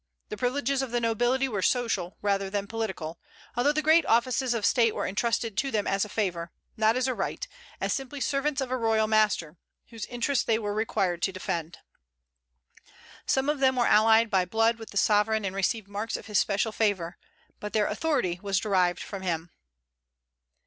The privileges of the nobility were social rather than political, although the great offices of state were intrusted to them as a favor, not as a right, as simply servants of a royal master, whose interests they were required to defend. Some of them were allied by blood with the sovereign, and received marks of his special favor; but their authority was derived from him.